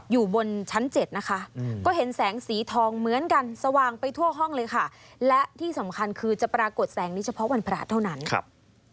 อยู่บนชั้นเจ็ดนะคะก็เห็นแสงสีทองเหมือนกันสว่างไปทั่วห้องเลยค่ะและที่สำคัญคือจะปรากฏแสงนี้เฉพาะวันพระเท่านั้นครับ